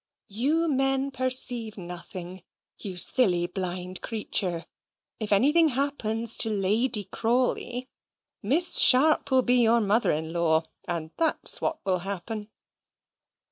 "You men perceive nothing. You silly, blind creature if anything happens to Lady Crawley, Miss Sharp will be your mother in law; and that's what will happen."